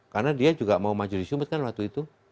karena dia juga mau maju di sumut kan waktu itu